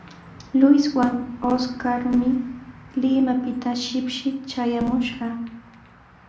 Luiswan Oscarmi Limapita shipshi traayaamushqa.